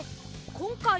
こんかい